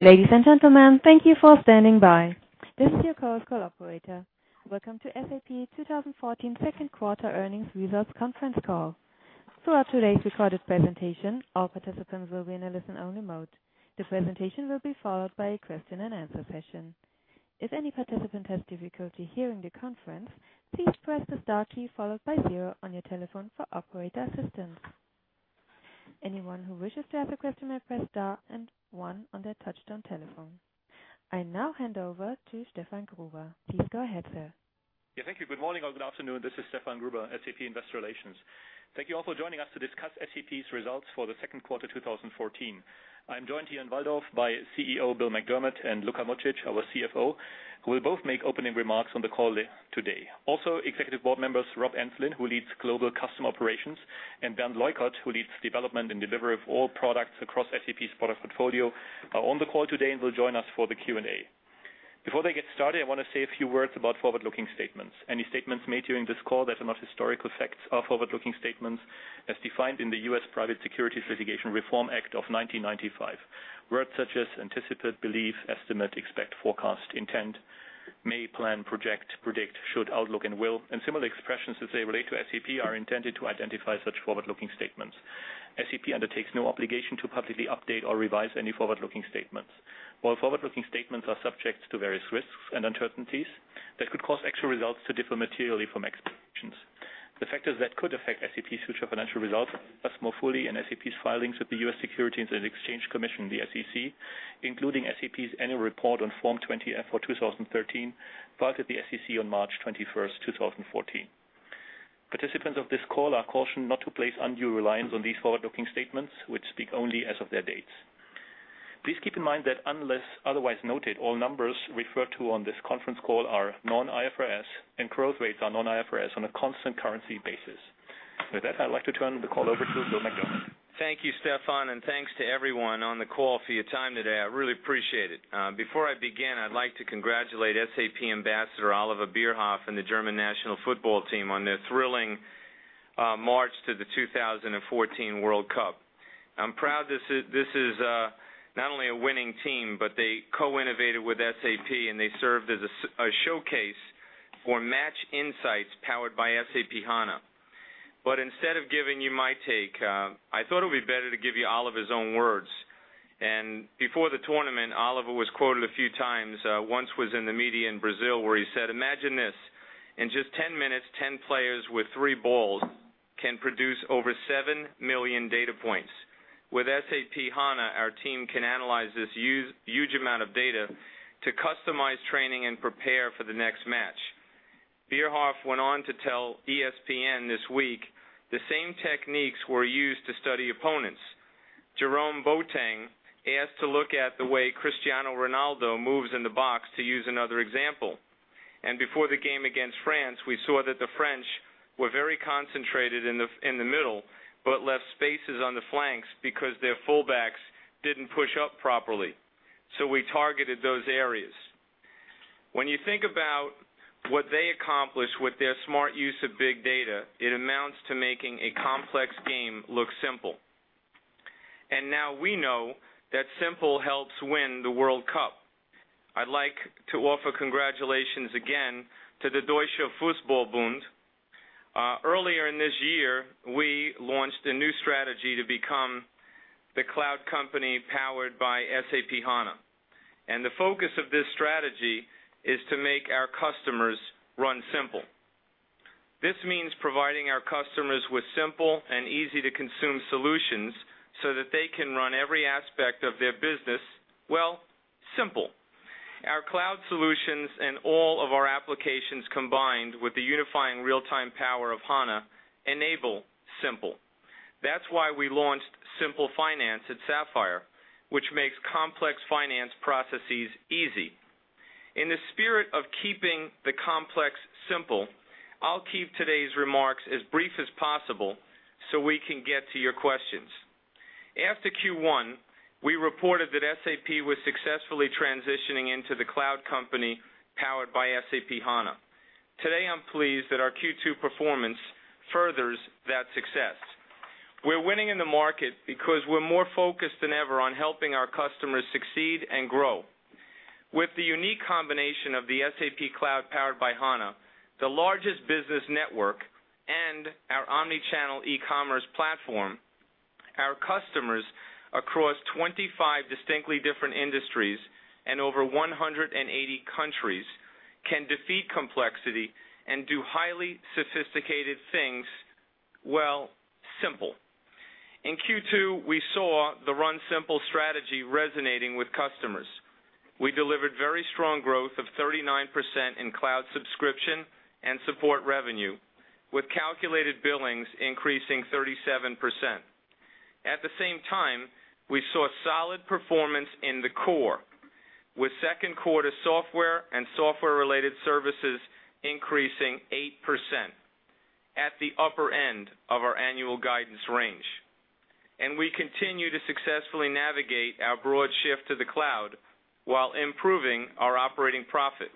Ladies and gentlemen, thank you for standing by. This is your host operator. Welcome to SAP 2014 second quarter earnings results conference call. Throughout today's recorded presentation, all participants will be in a listen-only mode. This presentation will be followed by a question and answer session. If any participant has difficulty hearing the conference, please press the star key followed by zero on your telephone for operator assistance. Anyone who wishes to ask a question may press star and one on their touch-tone telephone. I now hand over to Stefan Gruber. Please go ahead, sir. Yeah, thank you. Good morning or good afternoon. This is Stefan Gruber, SAP Investor Relations. Thank you all for joining us to discuss SAP's results for the second quarter 2014. I'm joined here in Walldorf by CEO Bill McDermott and Luka Mucic, our CFO, who will both make opening remarks on the call today. Also, executive board members, Rob Enslin, who leads global customer operations, and Bernd Leukert, who leads development and delivery of all products across SAP's product portfolio, are on the call today and will join us for the Q&A. Before they get started, I want to say a few words about forward-looking statements. Any statements made during this call that are not historical facts are forward-looking statements as defined in the U.S. Private Securities Litigation Reform Act of 1995. Words such as anticipate, believe, estimate, expect, forecast, intent, may, plan, project, predict, should, outlook, and will, and similar expressions, as they relate to SAP, are intended to identify such forward-looking statements. SAP undertakes no obligation to publicly update or revise any forward-looking statements. While forward-looking statements are subject to various risks and uncertainties that could cause actual results to differ materially from expectations. The factors that could affect SAP's future financial results are discussed more fully in SAP's filings with the U.S. Securities and Exchange Commission, the SEC, including SAP's annual report on Form 20-F for 2013, filed at the SEC on March 21st, 2014. Participants of this call are cautioned not to place undue reliance on these forward-looking statements, which speak only as of their dates. Please keep in mind that unless otherwise noted, all numbers referred to on this conference call are non-IFRS, and growth rates are non-IFRS on a constant currency basis. With that, I'd like to turn the call over to Bill McDermott. Thank you, Stefan, and thanks to everyone on the call for your time today. I really appreciate it. Before I begin, I'd like to congratulate SAP Ambassador Oliver Bierhoff and the German national football team on their thrilling march to the 2014 World Cup. I'm proud this is not only a winning team, but they co-innovated with SAP, and they served as a showcase for SAP Match Insights powered by SAP HANA. Instead of giving you my take, I thought it would be better to give you Oliver's own words. Before the tournament, Oliver was quoted a few times. Once was in the media in Brazil, where he said, "Imagine this. In just 10 minutes, 10 players with three balls can produce over 7 million data points. With SAP HANA, our team can analyze this huge amount of data to customize training and prepare for the next match." Bierhoff went on to tell ESPN this week, "The same techniques were used to study opponents. Jérôme Boateng asked to look at the way Cristiano Ronaldo moves in the box, to use another example. Before the game against France, we saw that the French were very concentrated in the middle, but left spaces on the flanks because their full-backs didn't push up properly. We targeted those areas." When you think about what they accomplished with their smart use of big data, it amounts to making a complex game look simple. Now we know that simple helps win the World Cup. I'd like to offer congratulations again to the Deutscher Fußball-Bund. Earlier in this year, we launched a new strategy to become the cloud company powered by SAP HANA, and the focus of this strategy is to make our customers Run Simple. This means providing our customers with simple and easy-to-consume solutions so that they can run every aspect of their business, well, simple. Our cloud solutions and all of our applications combined with the unifying real-time power of HANA enable simple. That's why we launched SAP Simple Finance at SAP Sapphire, which makes complex finance processes easy. In the spirit of keeping the complex simple, I'll keep today's remarks as brief as possible so we can get to your questions. After Q1, we reported that SAP was successfully transitioning into the cloud company powered by SAP HANA. Today, I'm pleased that our Q2 performance furthers that success. We're winning in the market because we're more focused than ever on helping our customers succeed and grow. With the unique combination of the SAP cloud powered by HANA, the largest business network, and our omni-channel e-commerce platform, our customers across 25 distinctly different industries and over 180 countries, can defeat complexity and do highly sophisticated things, well, simple. In Q2, we saw the Run Simple strategy resonating with customers. We delivered very strong growth of 39% in cloud subscription and support revenue, with calculated billings increasing 37%. At the same time, we saw solid performance in the core, with second quarter software and software-related services increasing 8% at the upper end of our annual guidance range. We continue to successfully navigate our broad shift to the cloud while improving our operating profit.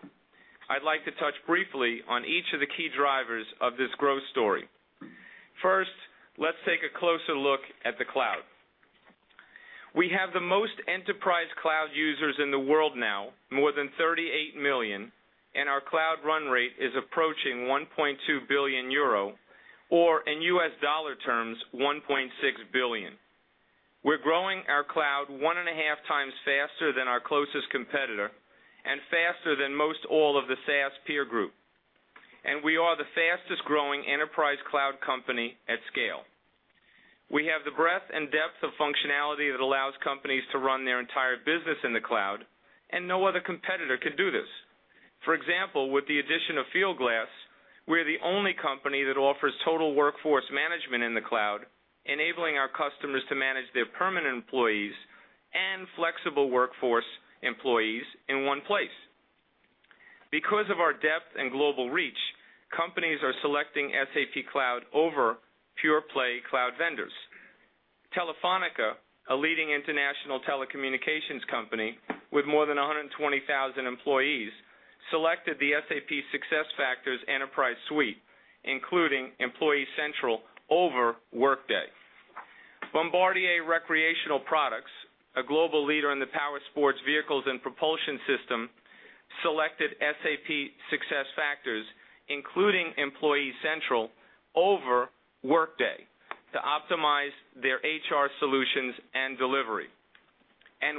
I'd like to touch briefly on each of the key drivers of this growth story. First, let's take a closer look at the cloud. We have the most enterprise cloud users in the world now, more than 38 million, and our cloud run rate is approaching €1.2 billion, or in US dollar terms, $1.6 billion. We're growing our cloud one and a half times faster than our closest competitor, and faster than most all of the SaaS peer group. We are the fastest-growing enterprise cloud company at scale. We have the breadth and depth of functionality that allows companies to run their entire business in the cloud, and no other competitor can do this. For example, with the addition of Fieldglass, we're the only company that offers total workforce management in the cloud, enabling our customers to manage their permanent employees and flexible workforce employees in one place. Because of our depth and global reach, companies are selecting SAP Cloud over pure-play cloud vendors. Telefónica, a leading international telecommunications company with more than 120,000 employees, selected the SAP SuccessFactors Enterprise Suite, including Employee Central over Workday. Bombardier Recreational Products, a global leader in the power sports vehicles and propulsion system, selected SAP SuccessFactors, including Employee Central over Workday, to optimize their HR solutions and delivery.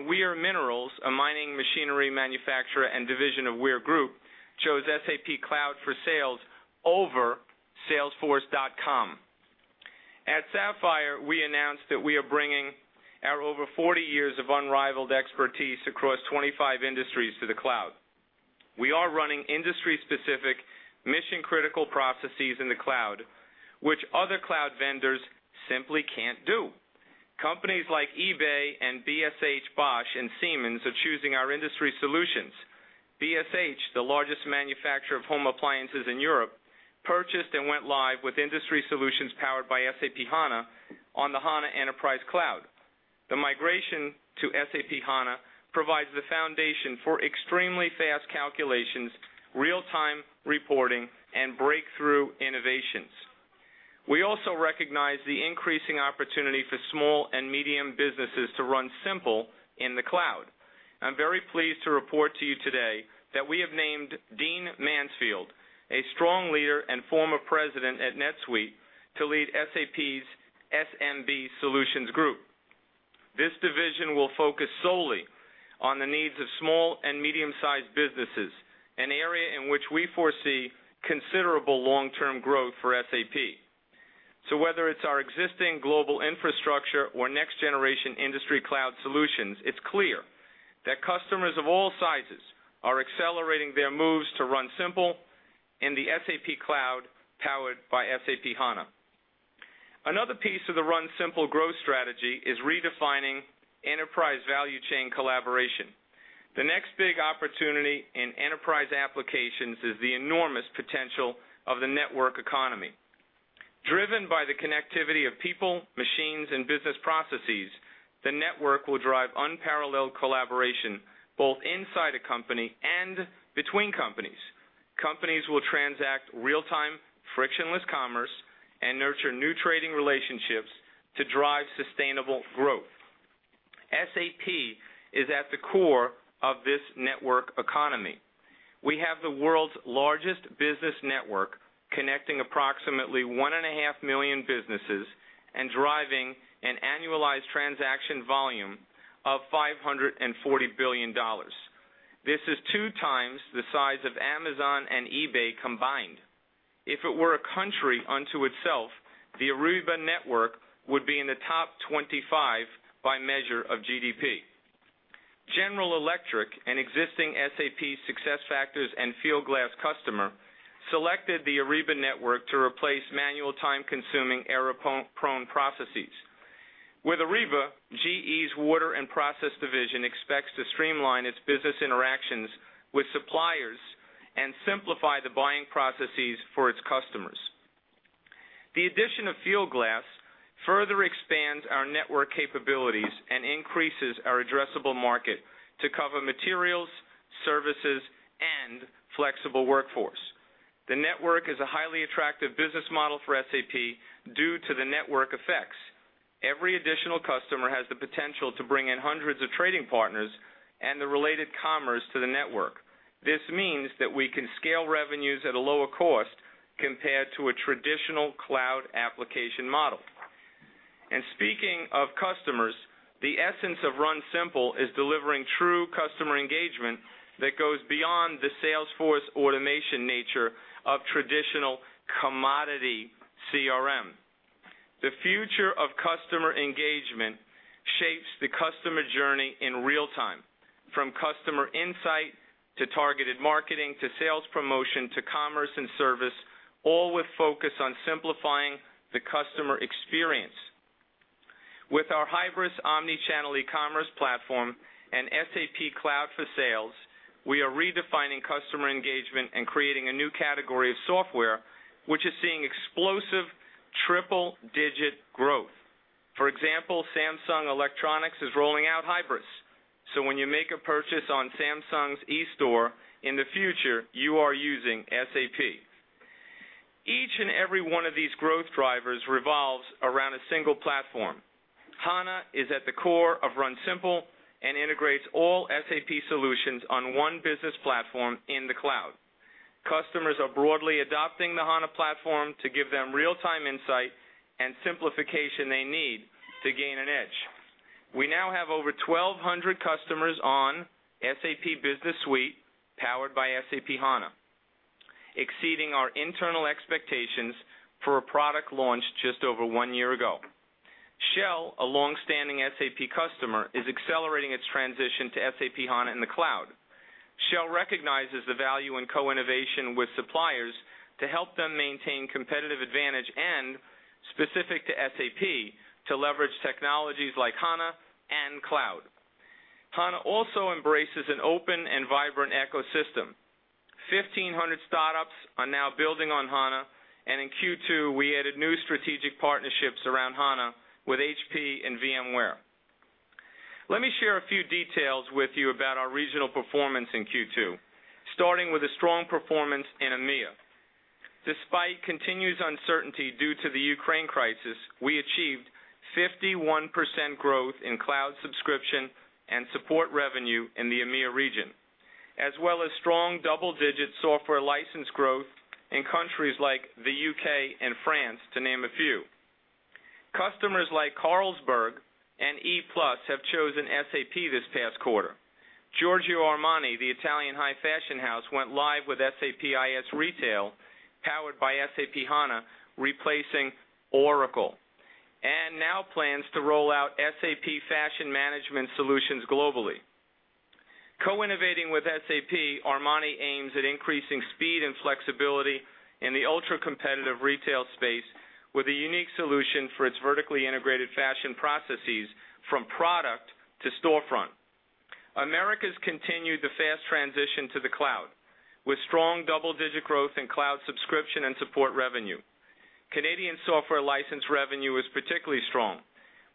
Weir Minerals, a mining machinery manufacturer and division of Weir Group, chose SAP Cloud for Sales over salesforce.com. At Sapphire, we announced that we are bringing our over 40 years of unrivaled expertise across 25 industries to the cloud. We are running industry-specific mission-critical processes in the cloud, which other cloud vendors simply can't do. Companies like eBay and BSH Bosch and Siemens are choosing our industry solutions. BSH, the largest manufacturer of home appliances in Europe, purchased and went live with industry solutions powered by SAP HANA on the HANA Enterprise Cloud. The migration to SAP HANA provides the foundation for extremely fast calculations, real-time reporting, and breakthrough innovations. We also recognize the increasing opportunity for small and medium businesses to Run Simple in the cloud. I'm very pleased to report to you today that we have named Dean Mansfield, a strong leader and former president at NetSuite, to lead SAP's SMB solutions group. This division will focus solely on the needs of small and medium-sized businesses, an area in which we foresee considerable long-term growth for SAP. Whether it's our existing global infrastructure or next-generation industry cloud solutions, it's clear that customers of all sizes are accelerating their moves to Run Simple in the SAP Cloud, powered by SAP HANA. Another piece of the Run Simple growth strategy is redefining enterprise value chain collaboration. The next big opportunity in enterprise applications is the enormous potential of the network economy. Driven by the connectivity of people, machines, and business processes, the network will drive unparalleled collaboration both inside a company and between companies. Companies will transact real-time frictionless commerce and nurture new trading relationships to drive sustainable growth. SAP is at the core of this network economy. We have the world's largest business network connecting approximately one and a half million businesses and driving an annualized transaction volume of EUR 540 billion. This is two times the size of Amazon and eBay combined. If it were a country unto itself, the Ariba network would be in the top 25 by measure of GDP. General Electric, an existing SAP SuccessFactors and Fieldglass customer, selected the Ariba network to replace manual time-consuming error-prone processes. With Ariba, GE's water and process division expects to streamline its business interactions with suppliers and simplify the buying processes for its customers. The addition of Fieldglass further expands our network capabilities and increases our addressable market to cover materials, services, and flexible workforce. The network is a highly attractive business model for SAP due to the network effects. Every additional customer has the potential to bring in hundreds of trading partners and the related commerce to the network. This means that we can scale revenues at a lower cost compared to a traditional cloud application model. Speaking of customers, the essence of Run Simple is delivering true customer engagement that goes beyond the sales force automation nature of traditional commodity CRM. The future of customer engagement shapes the customer journey in real time, from customer insight, to targeted marketing, to sales promotion, to commerce and service, all with focus on simplifying the customer experience. With our Hybris omnichannel e-commerce platform and SAP Cloud for Sales, we are redefining customer engagement and creating a new category of software, which is seeing explosive triple-digit growth. For example, Samsung Electronics is rolling out Hybris. When you make a purchase on Samsung's e-store, in the future, you are using SAP. Each and every one of these growth drivers revolves around a single platform. HANA is at the core of Run Simple and integrates all SAP solutions on one business platform in the cloud. Customers are broadly adopting the HANA platform to give them real-time insight and simplification they need to gain an edge. We now have over 1,200 customers on SAP Business Suite powered by SAP HANA, exceeding our internal expectations for a product launch just over one year ago. Shell, a longstanding SAP customer, is accelerating its transition to SAP HANA in the cloud. Shell recognizes the value in co-innovation with suppliers to help them maintain competitive advantage and, specific to SAP, to leverage technologies like HANA and cloud. HANA also embraces an open and vibrant ecosystem. 1,500 startups are now building on HANA, and in Q2, we added new strategic partnerships around HANA with HP and VMware. Let me share a few details with you about our regional performance in Q2, starting with a strong performance in EMEA. Despite continued uncertainty due to the Ukraine crisis, we achieved 51% growth in cloud subscription and support revenue in the EMEA region, as well as strong double-digit software license growth in countries like the U.K. and France, to name a few. Customers like Carlsberg and ePlus have chosen SAP this past quarter. Giorgio Armani, the Italian high fashion house, went live with SAP IS Retail powered by SAP HANA, replacing Oracle, and now plans to roll out SAP Fashion Management solutions globally. Co-innovating with SAP, Armani aims at increasing speed and flexibility in the ultra-competitive retail space with a unique solution for its vertically integrated fashion processes from product to storefront. Americas continued the fast transition to the cloud, with strong double-digit growth in cloud subscription and support revenue. Canadian software license revenue was particularly strong.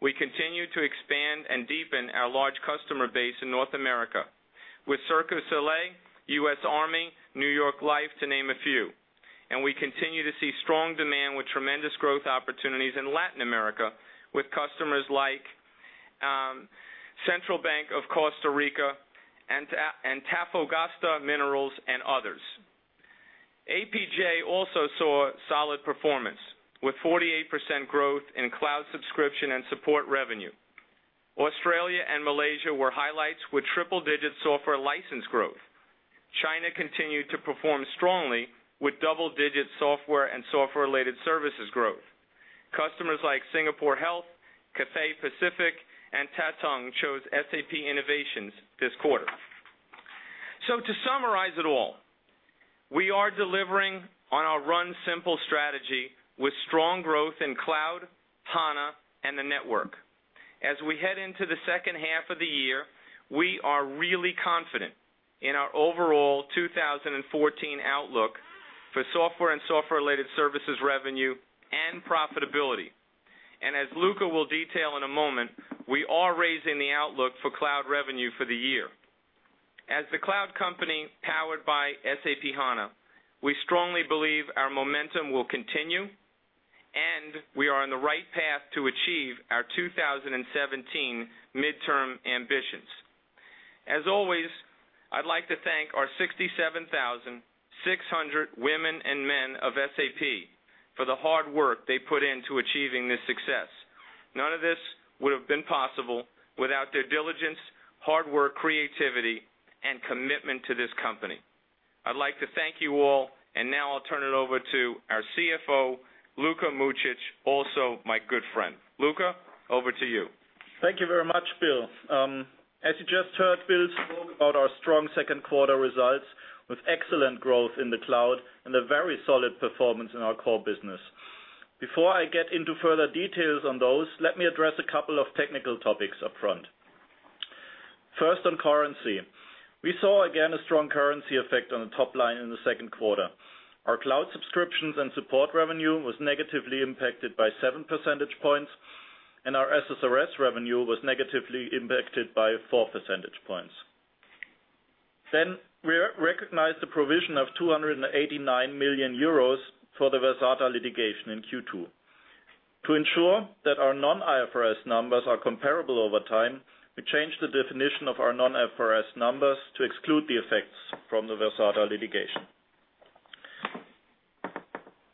We continue to expand and deepen our large customer base in North America with Cirque du Soleil, U.S. Army, New York Life, to name a few. We continue to see strong demand with tremendous growth opportunities in Latin America with customers like Central Bank of Costa Rica and Antofagasta Minerals, and others. APJ also saw solid performance, with 48% growth in cloud subscription and support revenue. Australia and Malaysia were highlights with triple-digit software license growth. China continued to perform strongly with double-digit software and software-related services growth. Customers like Singapore Health, Cathay Pacific, and Tat Hong chose SAP innovations this quarter. To summarize it all, we are delivering on our Run Simple strategy with strong growth in cloud, HANA, and the network. As we head into the second half of the year, we are really confident in our overall 2014 outlook for software and software-related services revenue and profitability. As Luka Mucic will detail in a moment, we are raising the outlook for cloud revenue for the year. As the cloud company powered by SAP HANA, we strongly believe our momentum will continue, and we are on the right path to achieve our 2017 midterm ambitions. As always, I'd like to thank our 67,600 women and men of SAP for the hard work they put into achieving this success. None of this would have been possible without their diligence, hard work, creativity, and commitment to this company. I'd like to thank you all. Now I'll turn it over to our CFO, Luka Mucic, also my good friend. Luka, over to you. Thank you very much, Bill. As you just heard, Bill spoke about our strong second quarter results with excellent growth in the cloud and a very solid performance in our core business. Before I get into further details on those, let me address a couple of technical topics up front. First, on currency. We saw, again, a strong currency effect on the top line in the second quarter. Our cloud subscriptions and support revenue was negatively impacted by seven percentage points, and our SSRS revenue was negatively impacted by four percentage points. We recognized the provision of 289 million euros for the Versata litigation in Q2. To ensure that our non-IFRS numbers are comparable over time, we changed the definition of our non-IFRS numbers to exclude the effects from the Versata litigation.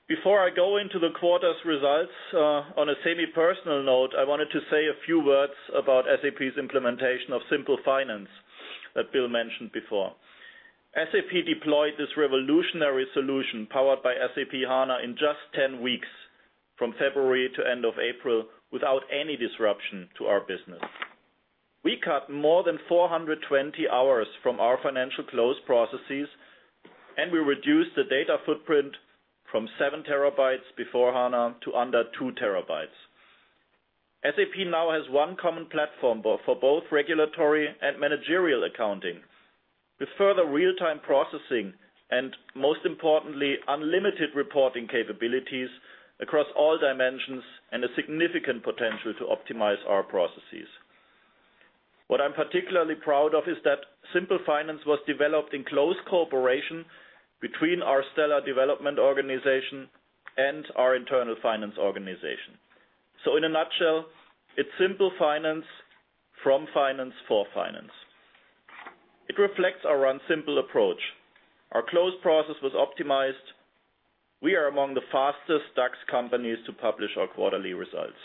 Before I go into the quarter's results, on a semi-personal note, I wanted to say a few words about SAP's implementation of Simple Finance that Bill mentioned before. SAP deployed this revolutionary solution powered by SAP HANA in just 10 weeks, from February to end of April, without any disruption to our business. We cut more than 420 hours from our financial close processes. We reduced the data footprint from 7 TB before HANA to under 2 TB. SAP now has one common platform for both regulatory and managerial accounting. With further real-time processing, most importantly, unlimited reporting capabilities across all dimensions, a significant potential to optimize our processes. What I'm particularly proud of is that Simple Finance was developed in close cooperation between our stellar development organization and our internal finance organization. In a nutshell, it's Simple Finance from finance for finance. It reflects our Run Simple approach. Our close process was optimized. We are among the fastest DAX companies to publish our quarterly results.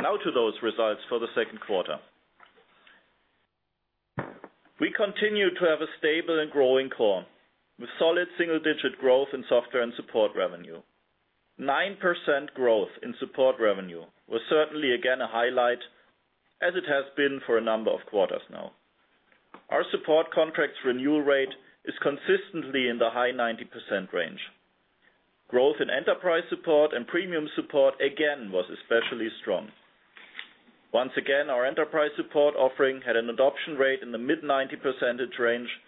Now to those results for the second quarter. We continue to have a stable and growing core, with solid single-digit growth in software and support revenue. 9% growth in support revenue was certainly again a highlight, as it has been for a number of quarters now. Our support contracts renewal rate is consistently in the high 90% range. Growth in Enterprise Support and Premium Support again, was especially strong. Once again, our Enterprise Support offering had an adoption rate in the mid 90% range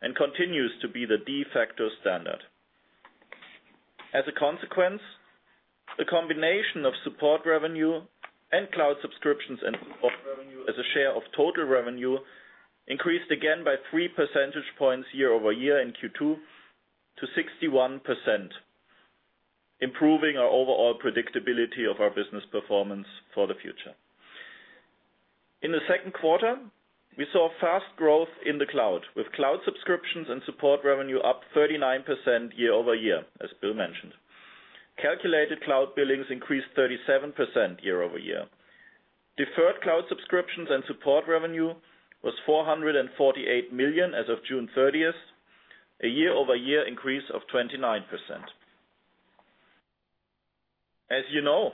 and continues to be the de facto standard. The combination of support revenue and cloud subscriptions and support revenue as a share of total revenue, increased again by three percentage points year-over-year in Q2 to 61%, improving our overall predictability of our business performance for the future. In the second quarter, we saw fast growth in the cloud, with cloud subscriptions and support revenue up 39% year-over-year, as Bill mentioned. Calculated cloud billings increased 37% year-over-year. Deferred cloud subscriptions and support revenue was 448 million as of June 30th, a year-over-year increase of 29%. As you know,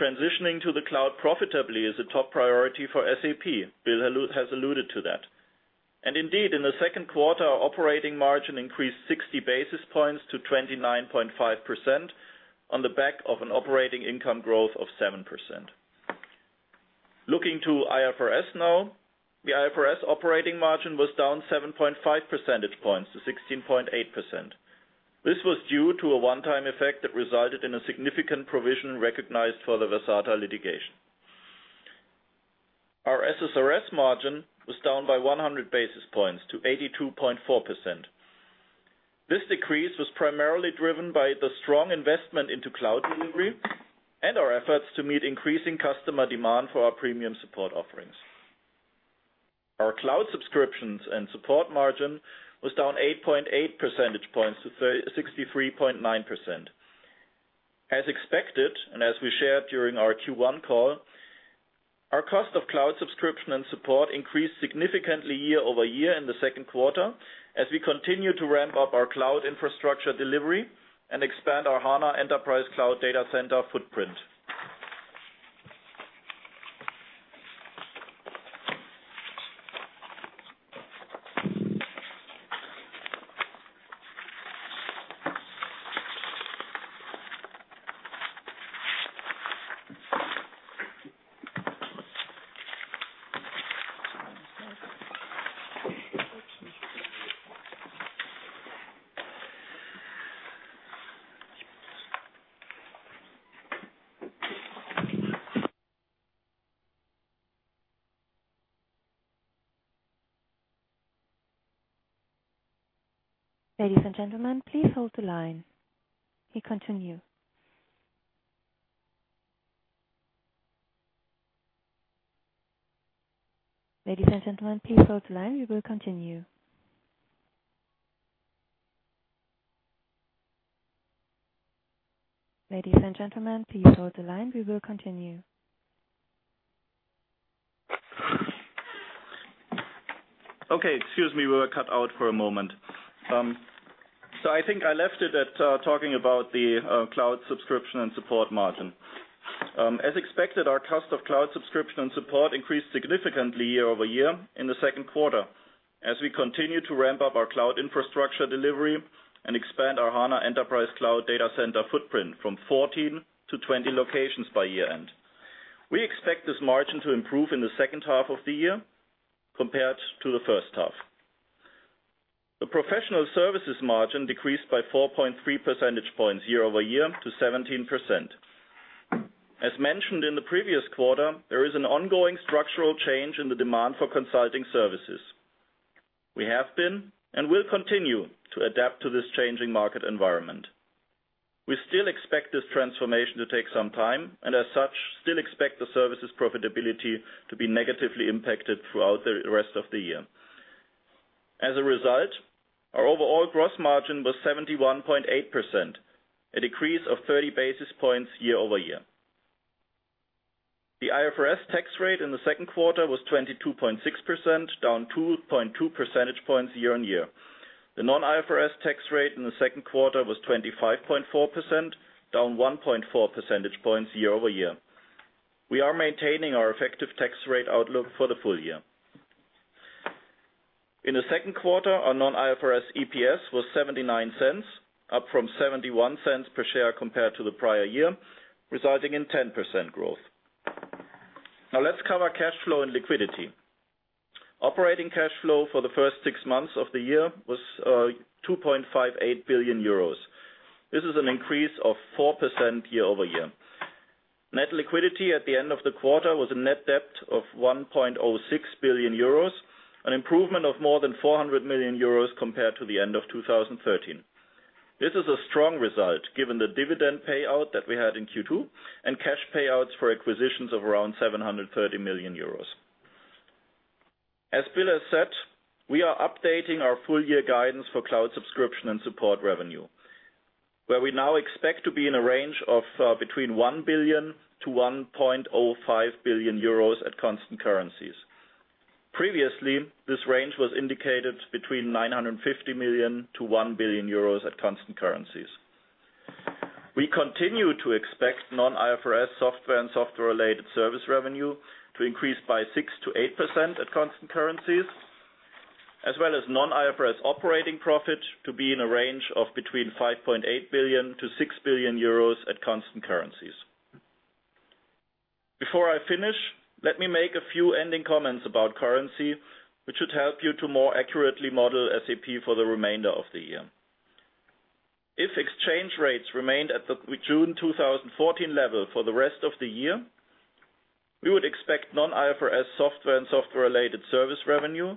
transitioning to the cloud profitably is a top priority for SAP. Bill has alluded to that. Indeed, in the second quarter, our operating margin increased 60 basis points to 29.5% on the back of an operating income growth of 7%. Looking to IFRS now. The IFRS operating margin was down 7.5 percentage points to 16.8%. This was due to a one-time effect that resulted in a significant provision recognized for the Versata litigation. Our SSRS margin was down by 100 basis points to 82.4%. This decrease was primarily driven by the strong investment into cloud delivery and our efforts to meet increasing customer demand for our Premium Support offerings. Our cloud subscriptions and support margin was down 8.8 percentage points to 63.9%. As expected, as we shared during our Q1 call, our cost of cloud subscription and support increased significantly year-over-year in the second quarter as we continue to ramp up our cloud infrastructure delivery and expand our HANA Enterprise Cloud data center footprint. Ladies and gentlemen, please hold the line. We will continue. Okay. Excuse me. We were cut out for a moment. I think I left it at talking about the cloud subscription and support margin. As expected, our cost of cloud subscription and support increased significantly year-over-year in the second quarter as we continue to ramp up our cloud infrastructure delivery and expand our HANA Enterprise Cloud data center footprint from 14 to 20 locations by year-end. We expect this margin to improve in the second half of the year compared to the first half. The professional services margin decreased by 4.3 percentage points year-over-year to 17%. As mentioned in the previous quarter, there is an ongoing structural change in the demand for consulting services. We have been, and will continue to adapt to this changing market environment. We still expect this transformation to take some time, and as such, still expect the services profitability to be negatively impacted throughout the rest of the year. As a result, our overall gross margin was 71.8%, a decrease of 30 basis points year-over-year. The IFRS tax rate in the second quarter was 22.6%, down 2.2 percentage points year-on-year. The non-IFRS tax rate in the second quarter was 25.4%, down 1.4 percentage points year-over-year. We are maintaining our effective tax rate outlook for the full year. In the second quarter, our non-IFRS EPS was 0.79, up from 0.71 per share compared to the prior year, resulting in 10% growth. Let's cover cash flow and liquidity. Operating cash flow for the first six months of the year was 2.58 billion euros. This is an increase of 4% year-over-year. Net liquidity at the end of the quarter was a net debt of 1.06 billion euros, an improvement of more than 400 million euros compared to the end of 2013. This is a strong result given the dividend payout that we had in Q2 and cash payouts for acquisitions of around 730 million euros. As Bill has said, we are updating our full year guidance for cloud subscription and support revenue, where we now expect to be in a range of between 1 billion-1.05 billion euros at constant currencies. Previously, this range was indicated between 950 million-1 billion euros at constant currencies. We continue to expect non-IFRS software and software-related service revenue to increase by 6%-8% at constant currencies, as well as non-IFRS operating profit to be in a range of between 5.8 billion-6 billion euros at constant currencies. Before I finish, let me make a few ending comments about currency, which should help you to more accurately model SAP for the remainder of the year. If exchange rates remained at the June 2014 level for the rest of the year, we would expect non-IFRS software and software-related service revenue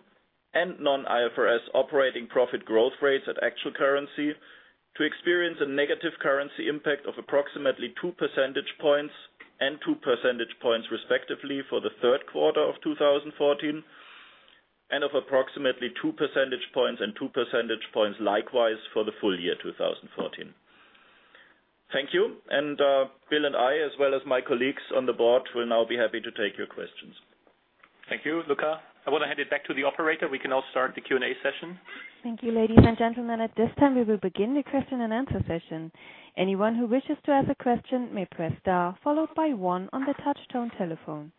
and non-IFRS operating profit growth rates at actual currency to experience a negative currency impact of approximately two percentage points and two percentage points respectively for the third quarter of 2014, and of approximately two percentage points and two percentage points likewise for the full year 2014. Thank you. Bill and I, as well as my colleagues on the board, will now be happy to take your questions. Thank you, Luka. I want to hand it back to the operator. We can now start the Q&A session. Thank you, ladies and gentlemen. At this time, we will begin the question and answer session. Anyone who wishes to ask a question may press star followed by one on the touchtone telephone.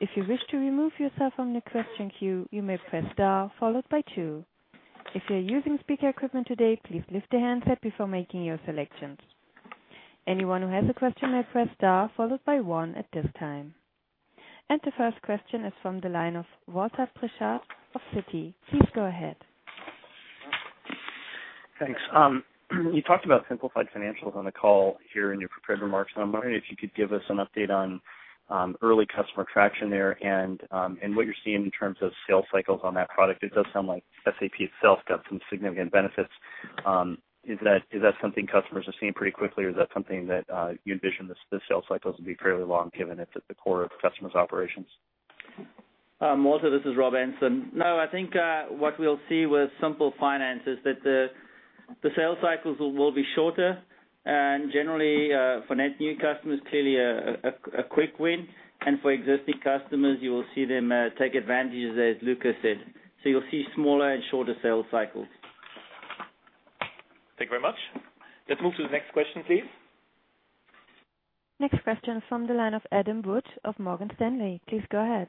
If you wish to remove yourself from the question queue, you may press star followed by two. If you're using speaker equipment today, please lift the handset before making your selections. Anyone who has a question may press star followed by one at this time. The first question is from the line of Walter Pritchard of Citi. Please go ahead. Thanks. You talked about Simple Finance on the call here in your prepared remarks, I'm wondering if you could give us an update on early customer traction there and what you're seeing in terms of sales cycles on that product. It does sound like SAP itself got some significant benefits. Is that something customers are seeing pretty quickly, or is that something that you envision the sales cycles will be fairly long, given it's at the core of the customer's operations? Walter, this is Rob Enslin. No, I think what we'll see with SAP Simple Finance is that the sales cycles will be shorter and generally, for net new customers, clearly a quick win, and for existing customers, you will see them take advantage, as Luka said. You'll see smaller and shorter sales cycles. Thank you very much. Let's move to the next question, please. Next question from the line of Adam Wood of Morgan Stanley. Please go ahead.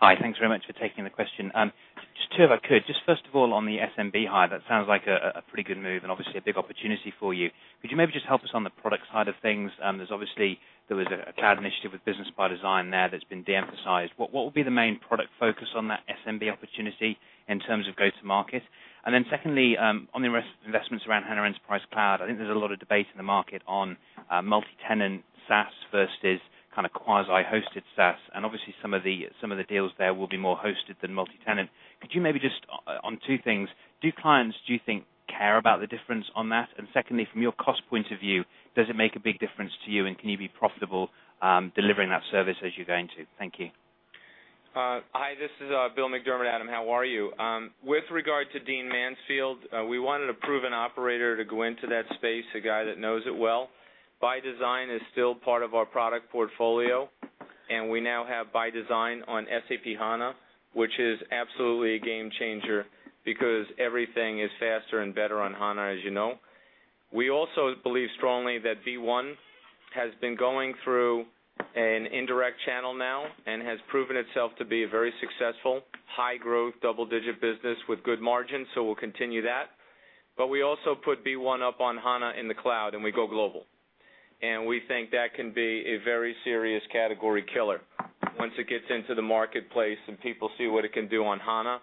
Hi. Thanks very much for taking the question. Just two if I could. First of all, on the SMB hire, that sounds like a pretty good move and obviously a big opportunity for you. Could you maybe just help us on the product side of things? There was a cloud initiative with SAP Business ByDesign there that's been de-emphasized. What will be the main product focus on that SMB opportunity in terms of go-to-market? Secondly, on the investments around SAP HANA Enterprise Cloud, I think there's a lot of debate in the market on multi-tenant SaaS versus quasi-hosted SaaS. Obviously some of the deals there will be more hosted than multi-tenant. Could you maybe just, on two things, do clients, do you think, care about the difference on that? Secondly, from your cost point of view, does it make a big difference to you, and can you be profitable delivering that service as you're going to? Thank you. Hi, this is Bill McDermott. Adam, how are you? With regard to Dean Mansfield, we wanted a proven operator to go into that space, a guy that knows it well. ByDesign is still part of our product portfolio, and we now have ByDesign on SAP HANA, which is absolutely a game changer because everything is faster and better on HANA, as you know. We also believe strongly that B.one has been going through an indirect channel now and has proven itself to be a very successful, high-growth, double-digit business with good margins, so we'll continue that. We also put B.one up on HANA in the cloud, and we go global. We think that can be a very serious category killer once it gets into the marketplace and people see what it can do on HANA.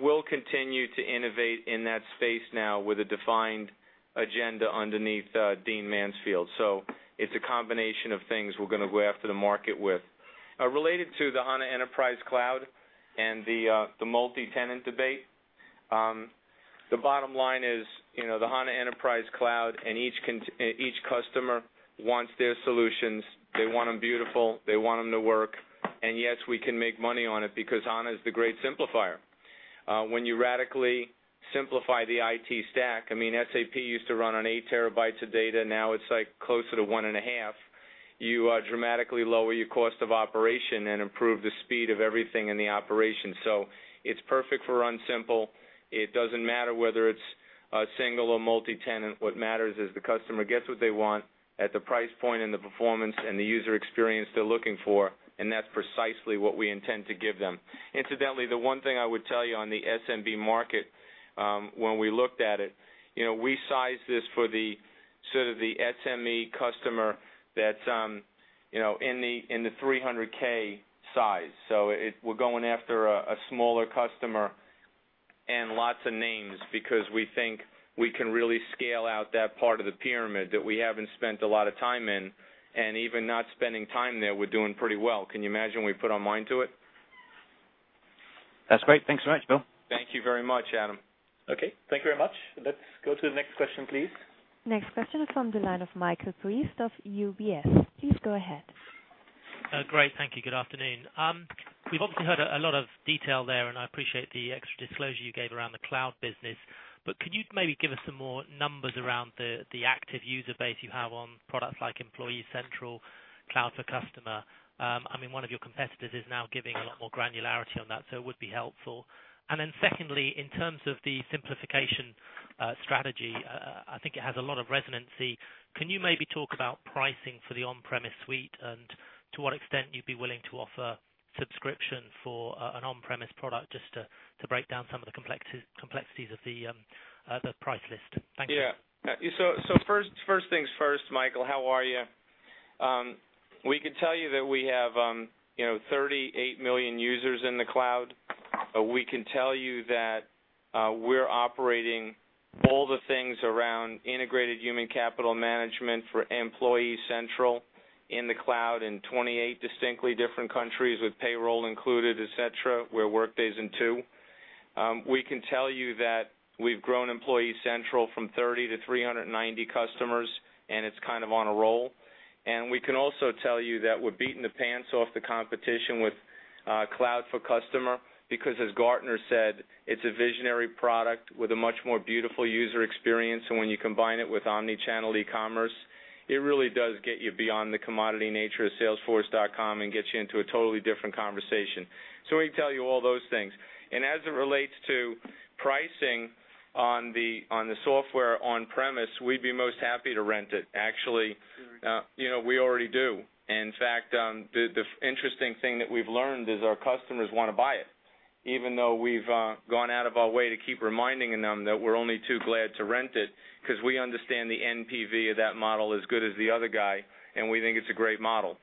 We'll continue to innovate in that space now with a defined agenda underneath Dean Mansfield. It's a combination of things we're going to go after the market with. Related to the HANA Enterprise Cloud and the multi-tenant debate, the bottom line is, the HANA Enterprise Cloud and each customer wants their solutions. They want them beautiful. They want them to work. Yes, we can make money on it because HANA is the great simplifier. When you radically simplify the IT stack, SAP used to run on 8 TB of data. Now it's closer to 1.5 TB. You dramatically lower your cost of operation and improve the speed of everything in the operation. It's perfect for Run Simple. It doesn't matter whether it's single or multi-tenant. What matters is the customer gets what they want at the price point and the performance and the user experience they're looking for, and that's precisely what we intend to give them. Incidentally, the one thing I would tell you on the SMB market, when we looked at it, we sized this for the Sort of the SME customer that's in the 300K size. We're going after a smaller customer and lots of names because we think we can really scale out that part of the pyramid that we haven't spent a lot of time in, and even not spending time there, we're doing pretty well. Can you imagine we put our mind to it? That's great. Thanks so much, Bill. Thank you very much, Adam. Okay. Thank you very much. Let's go to the next question, please. Next question is from the line of Michael Briest of UBS. Please go ahead. Great. Thank you. Good afternoon. We've obviously heard a lot of detail there, and I appreciate the extra disclosure you gave around the cloud business. Could you maybe give us some more numbers around the active user base you have on products like Employee Central, Cloud for Customer? One of your competitors is now giving a lot more granularity on that, it would be helpful. Secondly, in terms of the simplification strategy, I think it has a lot of resonance. Can you maybe talk about pricing for the on-premise suite and to what extent you'd be willing to offer subscription for an on-premise product just to break down some of the complexities of the price list? Thank you. First things first, Michael, how are you? We could tell you that we have 38 million users in the cloud. We can tell you that we're operating all the things around integrated human capital management for Employee Central in the cloud in 28 distinctly different countries with payroll included, et cetera, where Workday is in two. We can tell you that we've grown Employee Central from 30 to 390 customers, and it's on a roll. We can also tell you that we're beating the pants off the competition with Cloud for Customer because, as Gartner said, it's a visionary product with a much more beautiful user experience. When you combine it with omni-channel e-commerce, it really does get you beyond the commodity nature of salesforce.com and gets you into a totally different conversation. We can tell you all those things. As it relates to pricing on the software on-premise, we'd be most happy to rent it. Actually, we already do. In fact, the interesting thing that we've learned is our customers want to buy it, even though we've gone out of our way to keep reminding them that we're only too glad to rent it because we understand the NPV of that model as good as the other guy, and we think it's a great model.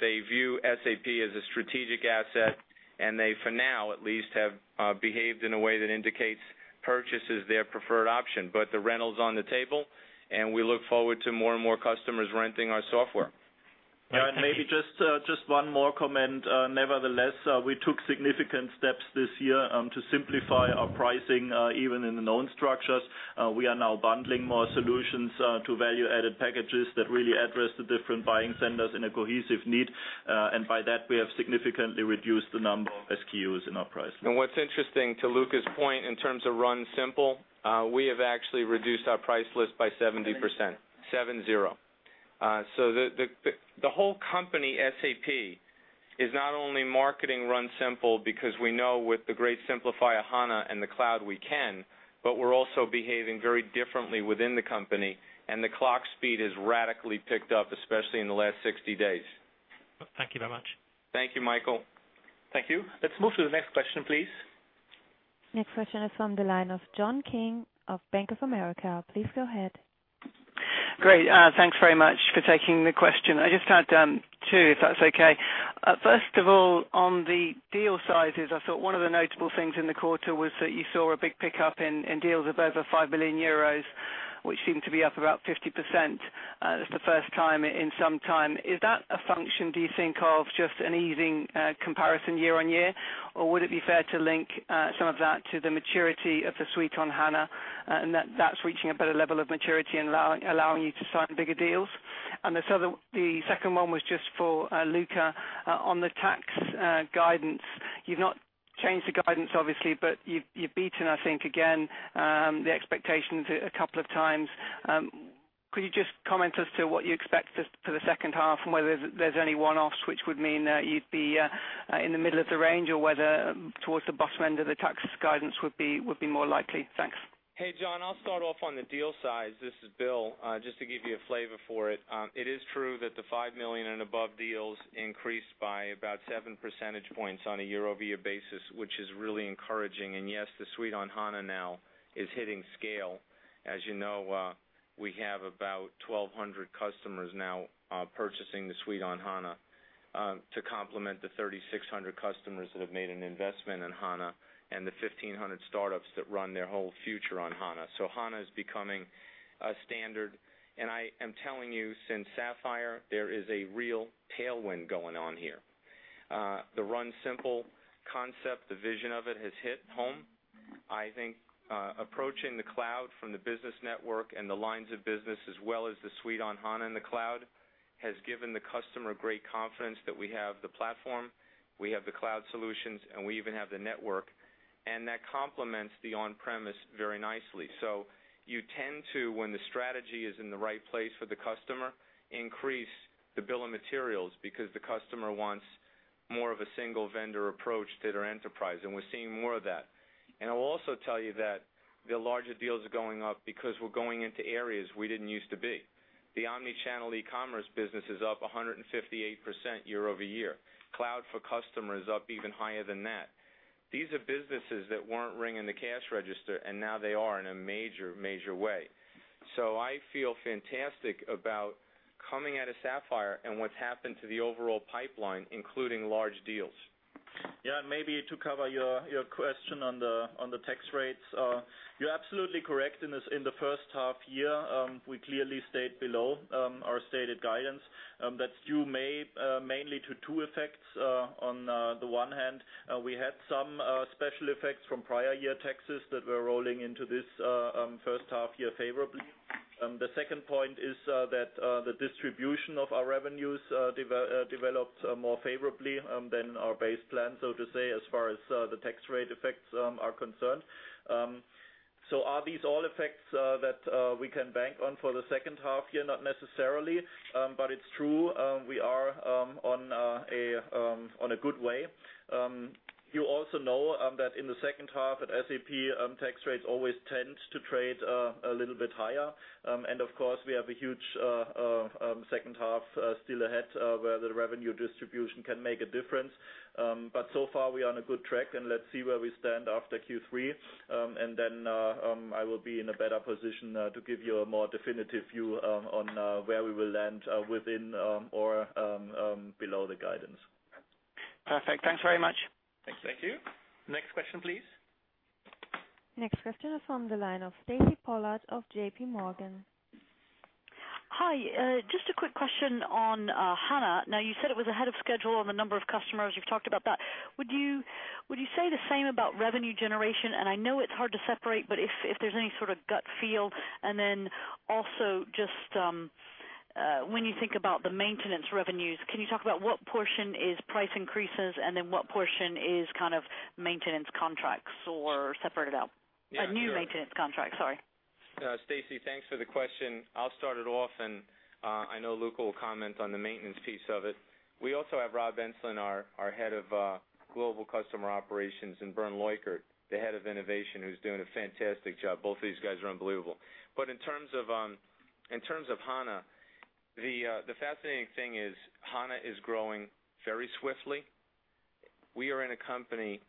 They view SAP as a strategic asset, and they, for now at least, have behaved in a way that indicates purchase is their preferred option. The rental is on the table, and we look forward to more and more customers renting our software. Maybe just one more comment. Nevertheless, we took significant steps this year to simplify our pricing, even in the known structures. We are now bundling more solutions to value-added packages that really address the different buying centers in a cohesive need. By that, we have significantly reduced the number of SKUs in our pricing. What's interesting, to Luka's point, in terms of Run Simple, we have actually reduced our price list by 70%, seven, zero. The whole company, SAP, is not only marketing Run Simple because we know with the great simplify HANA and the cloud, we can, but we're also behaving very differently within the company, and the clock speed has radically picked up, especially in the last 60 days. Thank you very much. Thank you, Michael. Thank you. Let's move to the next question, please. Next question is from the line of John King of Bank of America. Please go ahead. Great. Thanks very much for taking the question. I just had two, if that's okay. First of all, on the deal sizes, I thought one of the notable things in the quarter was that you saw a big pickup in deals of over 5 million euros, which seemed to be up about 50%. That's the first time in some time. Is that a function, do you think, of just an easing comparison year-over-year? Or would it be fair to link some of that to the maturity of the suite on HANA, and that's reaching a better level of maturity and allowing you to sign bigger deals? The second one was just for Luka. On the tax guidance, you've not changed the guidance, obviously, but you've beaten, I think, again, the expectations a couple of times. Could you just comment as to what you expect for the second half and whether there's any one-offs which would mean you'd be in the middle of the range or whether towards the bottom end of the tax guidance would be more likely? Thanks. Hey, John, I'll start off on the deal size. This is Bill. Just to give you a flavor for it. It is true that the 5 million and above deals increased by about seven percentage points on a year-over-year basis, which is really encouraging. Yes, the suite on HANA now is hitting scale. As you know, we have about 1,200 customers now purchasing the suite on HANA to complement the 3,600 customers that have made an investment in HANA and the 1,500 startups that run their whole future on HANA. HANA is becoming a standard. I am telling you, since Sapphire, there is a real tailwind going on here. The Run Simple concept, the vision of it, has hit home. I think approaching the cloud from the business network and the lines of business, as well as the suite on HANA in the cloud, has given the customer great confidence that we have the platform, we have the cloud solutions, and we even have the network, and that complements the on-premise very nicely. You tend to, when the strategy is in the right place for the customer, increase the bill of materials because the customer wants more of a single vendor approach to their enterprise, and we're seeing more of that. I'll also tell you that the larger deals are going up because we're going into areas we didn't used to be. The omni-channel e-commerce business is up 158% year-over-year. Cloud for Customer is up even higher than that. These are businesses that weren't ringing the cash register, and now they are in a major way. I feel fantastic about coming out of Sapphire and what's happened to the overall pipeline, including large deals. Maybe to cover your question on the tax rates. You're absolutely correct. In the first half year, we clearly stayed below our stated guidance. That's due mainly to two effects. On the one hand, we had some special effects from prior year taxes that were rolling into this first half year favorably. The second point is that the distribution of our revenues developed more favorably than our base plan, so to say, as far as the tax rate effects are concerned. Are these all effects that we can bank on for the second half year? Not necessarily. It's true, we are on a good way. You also know that in the second half at SAP, tax rates always tend to trade a little bit higher. Of course, we have a huge second half still ahead, where the revenue distribution can make a difference. So far, we are on a good track and let's see where we stand after Q3. Then I will be in a better position to give you a more definitive view on where we will land within or below the guidance. Perfect. Thanks very much. Thanks. Thank you. Next question, please. Next question is from the line of Stacy Pollard of JPMorgan. Hi, just a quick question on HANA. You said it was ahead of schedule on the number of customers, you've talked about that. Would you say the same about revenue generation? I know it's hard to separate, but if there's any sort of gut feel. Also just when you think about the maintenance revenues, can you talk about what portion is price increases, and then what portion is kind of maintenance contracts or separate it out? Yeah, sure. A new maintenance contract, sorry. Stacy, thanks for the question. I'll start it off, and I know Luka will comment on the maintenance piece of it. We also have Rob Enslin, our head of global customer operations, and Bernd Leukert, the head of innovation, who's doing a fantastic job. Both of these guys are unbelievable. In terms of HANA, the fascinating thing is HANA is growing very swiftly. We are in a company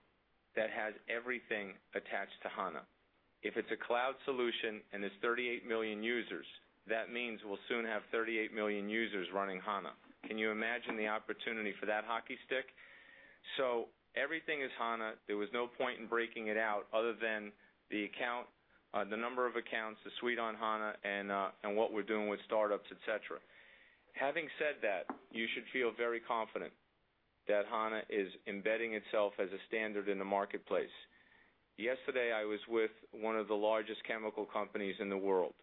that has everything attached to HANA. If it's a cloud solution and it's 38 million users, that means we'll soon have 38 million users running HANA. Can you imagine the opportunity for that hockey stick? Everything is HANA. There was no point in breaking it out other than the number of accounts, the suite on HANA, and what we're doing with startups, et cetera. Having said that, you should feel very confident that HANA is embedding itself as a standard in the marketplace. Yesterday, I was with one of the largest chemical companies in the world.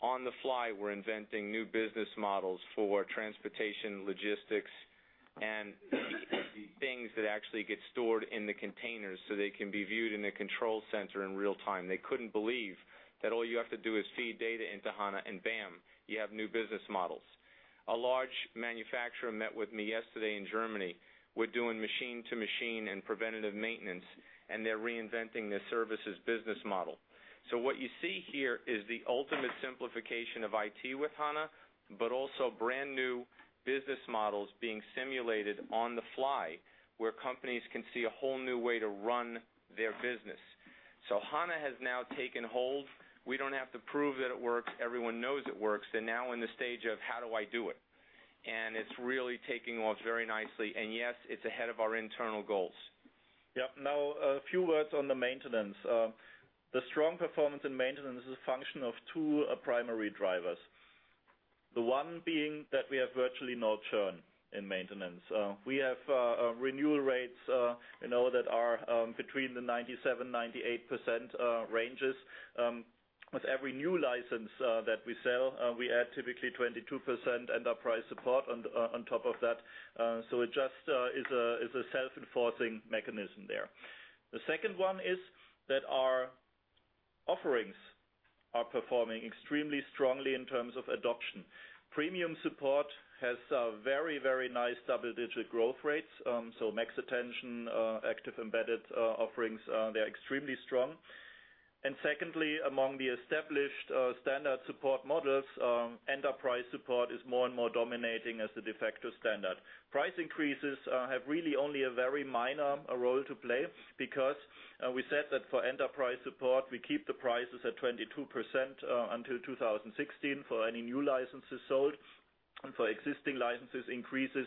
On the fly, we're inventing new business models for transportation, logistics, and things that actually get stored in the containers so they can be viewed in a control center in real time. They couldn't believe that all you have to do is feed data into HANA, and bam, you have new business models. A large manufacturer met with me yesterday in Germany. We're doing machine-to-machine and preventative maintenance, and they're reinventing the services business model. What you see here is the ultimate simplification of IT with HANA, but also brand-new business models being simulated on the fly, where companies can see a whole new way to run their business. HANA has now taken hold. We don't have to prove that it works. Everyone knows it works. They're now in the stage of how do I do it? It's really taking off very nicely. Yes, it's ahead of our internal goals. Yep. Now, a few words on the maintenance. The strong performance in maintenance is a function of two primary drivers. The one being that we have virtually no churn in maintenance. We have renewal rates that are between the 97%-98% ranges. With every new license that we sell, we add typically 22% Enterprise Support on top of that. It just is a self-enforcing mechanism there. The second one is that our offerings are performing extremely strongly in terms of adoption. Premium Support has very nice double-digit growth rates. SAP MaxAttention, SAP ActiveEmbedded offerings, they're extremely strong. Secondly, among the established Standard Support models, Enterprise Support is more and more dominating as the de facto standard. Price increases have really only a very minor role to play because we said that for Enterprise Support, we keep the prices at 22% until 2016 for any new licenses sold. For existing licenses increases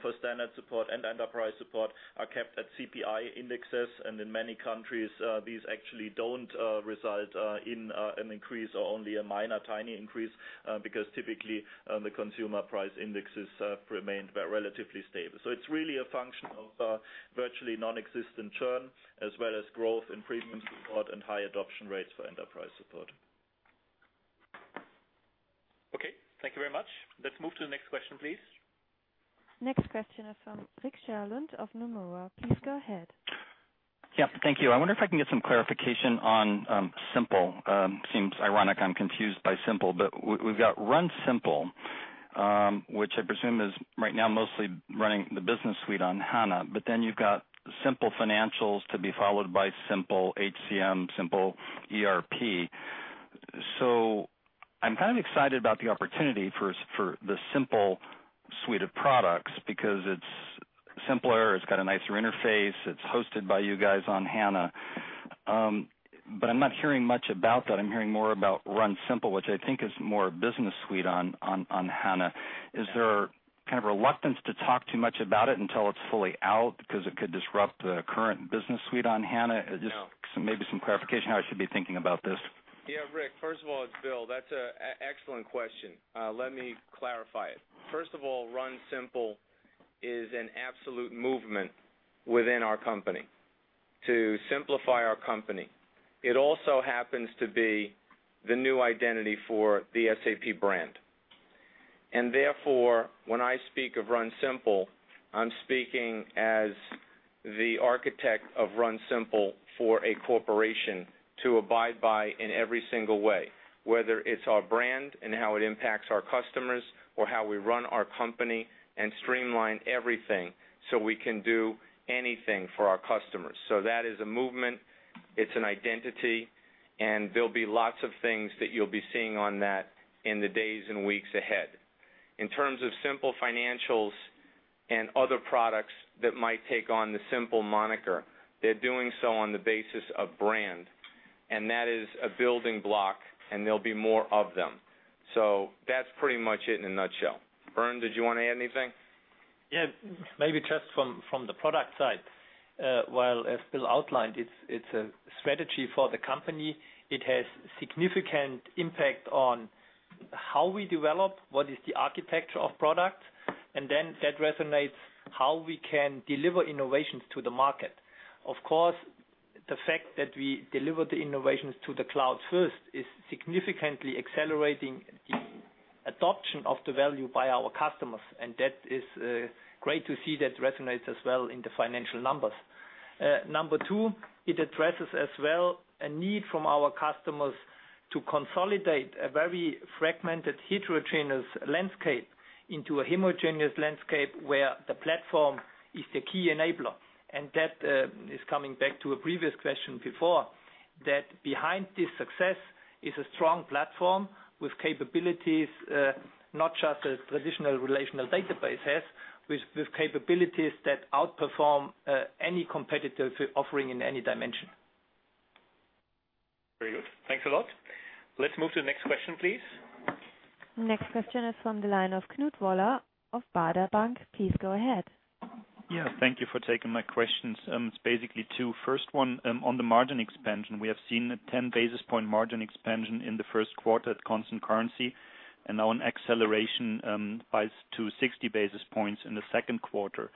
for Standard Support and Enterprise Support are kept at CPI indexes. In many countries, these actually don't result in an increase or only a minor, tiny increase, because typically, the consumer price indexes have remained relatively stable. It's really a function of virtually nonexistent churn, as well as growth in Premium Support and high adoption rates for Enterprise Support. Okay, thank you very much. Let's move to the next question, please. Next question is from Rick Sherlund of Nomura. Please go ahead. Yep. Thank you. I wonder if I can get some clarification on Simple. Seems ironic I'm confused by Simple, but we've got Run Simple Which I presume is right now mostly running the SAP Business Suite on HANA, then you've got SAP Simple Finance to be followed by SAP Simple HCM, SAP Simple ERP. I'm kind of excited about the opportunity for the Simple suite of products because it's simpler, it's got a nicer interface, it's hosted by you guys on HANA. I'm not hearing much about that. I'm hearing more about Run Simple, which I think is more a SAP Business Suite on HANA. Is there kind of reluctance to talk too much about it until it's fully out? Because it could disrupt the current SAP Business Suite on HANA? No. Just maybe some clarification how I should be thinking about this. Yeah, Rick, first of all, it's Bill. That's an excellent question. Let me clarify it. First of all, Run Simple is an absolute movement within our company to simplify our company. It also happens to be the new identity for the SAP brand. Therefore, when I speak of Run Simple, I'm speaking as the architect of Run Simple for a corporation to abide by in every single way, whether it's our brand and how it impacts our customers, or how we run our company and streamline everything so we can do anything for our customers. That is a movement, it's an identity, and there'll be lots of things that you'll be seeing on that in the days and weeks ahead. In terms of Simple financials and other products that might take on the Simple moniker, they're doing so on the basis of brand, and that is a building block, and there'll be more of them. That's pretty much it in a nutshell. Bernd, did you want to add anything? Yes. Maybe just from the product side. While, as Bill outlined, it's a strategy for the company. It has significant impact on how we develop, what is the architecture of product, then that resonates how we can deliver innovations to the market. Of course, the fact that we deliver the innovations to the cloud first is significantly accelerating the adoption of the value by our customers, and that is great to see that resonates as well in the financial numbers. Number 2, it addresses as well a need from our customers to consolidate a very fragmented heterogeneous landscape into a homogeneous landscape where the platform is the key enabler. That is coming back to a previous question before, that behind this success is a strong platform with capabilities, not just a traditional relational database has, with capabilities that outperform any competitor offering in any dimension. Very good. Thanks a lot. Let's move to the next question, please. Next question is from the line of Knut Woller of Baader Bank. Please go ahead. Thank you for taking my questions. It's basically two. First one, on the margin expansion. We have seen a 10 basis point margin expansion in the first quarter at constant currency, and now an acceleration by 260 basis points in the second quarter.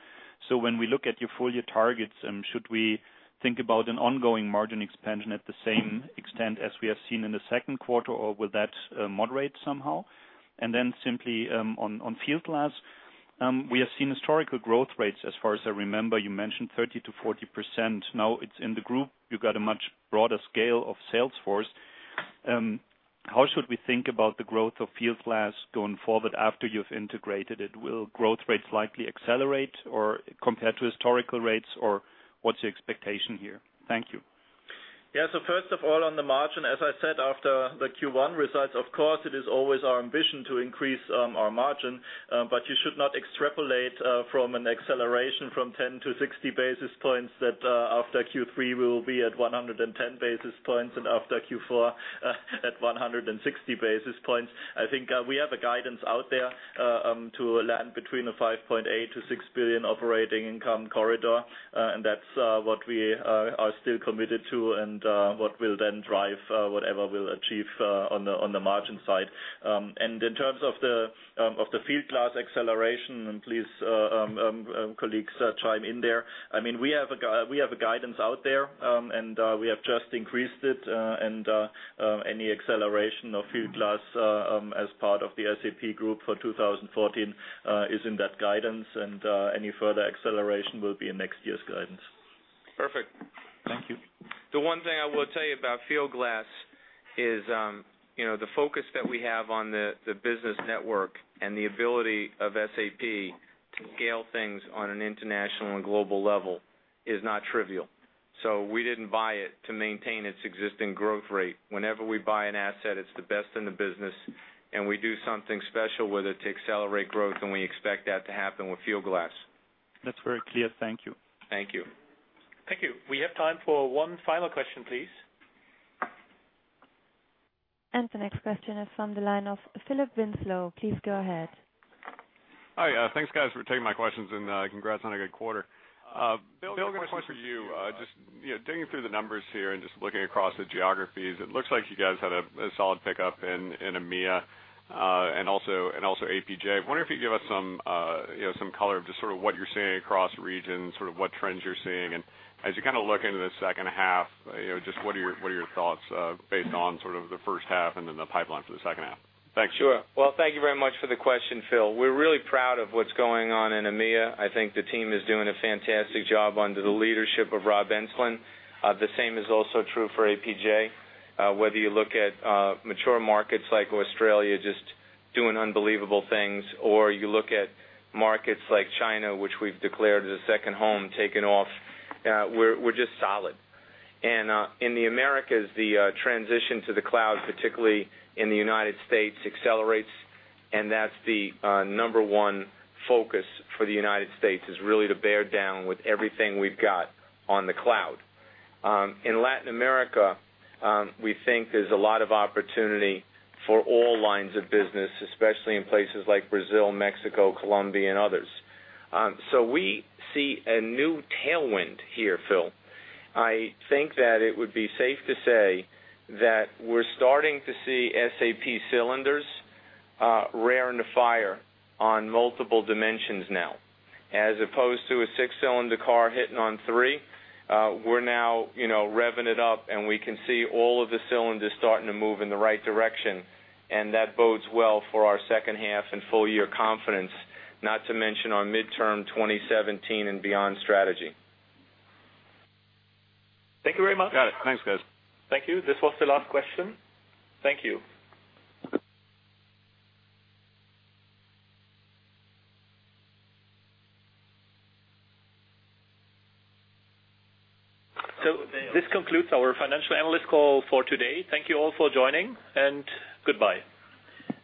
When we look at your full year targets, should we think about an ongoing margin expansion at the same extent as we have seen in the second quarter, or will that moderate somehow? Simply, on Fieldglass, we have seen historical growth rates as far as I remember, you mentioned 30%-40%. Now it's in the group, you've got a much broader scale of sales force. How should we think about the growth of Fieldglass going forward after you've integrated it? Will growth rates likely accelerate, or compared to historical rates, or what's your expectation here? Thank you. First of all, on the margin, as I said, after the Q1 results, of course, it is always our ambition to increase our margin. You should not extrapolate from an acceleration from 10 to 60 basis points that after Q3 we will be at 110 basis points and after Q4 at 160 basis points. I think we have a guidance out there to land between the 5.8 billion-6 billion operating income corridor. That's what we are still committed to and what will then drive whatever we'll achieve on the margin side. In terms of the Fieldglass acceleration, and please, colleagues, chime in there. We have a guidance out there. We have just increased it, and any acceleration of Fieldglass, as part of the SAP group for 2014, is in that guidance. Any further acceleration will be in next year's guidance. Perfect. Thank you. The one thing I will tell you about Fieldglass is the focus that we have on the business network and the ability of SAP to scale things on an international and global level is not trivial. We didn't buy it to maintain its existing growth rate. Whenever we buy an asset, it's the best in the business, and we do something special with it to accelerate growth, and we expect that to happen with Fieldglass. That's very clear. Thank you. Thank you. Thank you. We have time for one final question, please. The next question is from the line of Philip Winslow. Please go ahead. Hi. Thanks, guys, for taking my questions, and congrats on a good quarter. Bill- Bill, a question for you. Just digging through the numbers here and just looking across the geographies, it looks like you guys had a solid pickup in EMEA, and also APJ. I wonder if you give us some color of just sort of what you're seeing across regions, sort of what trends you're seeing. As you kind of look into the second half, just what are your thoughts, based on sort of the first half and then the pipeline for the second half? Thanks. Sure. Well, thank you very much for the question, Phil. We're really proud of what's going on in EMEA. I think the team is doing a fantastic job under the leadership of Rob Enslin. The same is also true for APJ. Whether you look at mature markets like Australia just doing unbelievable things, or you look at markets like China, which we've declared as a second home, taking off. We're just solid. In the Americas, the transition to the cloud, particularly in the United States, accelerates, and that's the number one focus for the United States, is really to bear down with everything we've got on the cloud. In Latin America, we think there's a lot of opportunity for all lines of business, especially in places like Brazil, Mexico, Colombia, and others. We see a new tailwind here, Phil. I think that it would be safe to say that we're starting to see SAP cylinders rearing the fire on multiple dimensions now. As opposed to a six-cylinder car hitting on three, we're now revving it up, and we can see all of the cylinders starting to move in the right direction, and that bodes well for our second half and full year confidence, not to mention our midterm 2017 and beyond strategy. Thank you very much. Got it. Thanks, guys. Thank you. This was the last question. Thank you. This concludes our financial analyst call for today. Thank you all for joining, and goodbye.